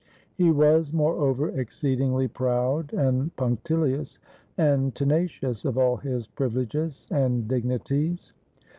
He was, moreover, exceedingly proud and punctilious, and tenacious of all his privileges and dignities.